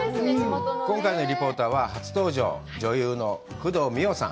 今回のリポーターは、初登場、女優の工藤美桜さん。